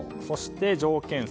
そして条件